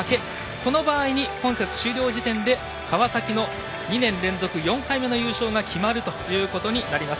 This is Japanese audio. この場合に今節終了時点で川崎の２年連続４回目の優勝が決まるということになります。